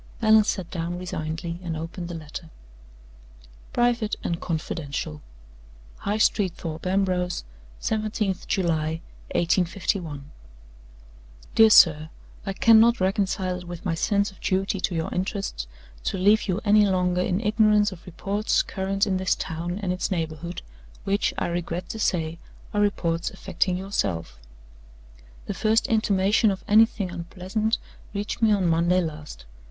Allan sat down resignedly, and opened the letter. ["Private and Confidential."] "High Street Thorpe Ambrose, 17th July, 1851. "DEAR SIR I cannot reconcile it with my sense of duty to your interests to leave you any longer in ignorance of reports current in this town and its neighborhood, which, I regret to say, are reports affecting yourself. "The first intimation of anything unpleasant reached me on Monday last.